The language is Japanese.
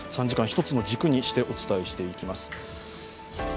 ３時間、１つの軸にしてお伝えしていきます。